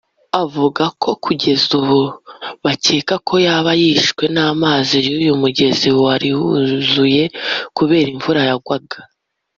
avuga ko kugeza ubu bakeka ko yaba yishwe n’amazi y’uyu mugezi wari wuzuye kubera imvura yagwaga